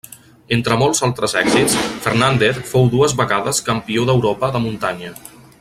Entre molts altres èxits, Fernández fou dues vegades Campió d'Europa de muntanya.